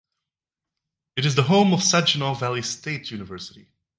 It is the home of Saginaw Valley State University.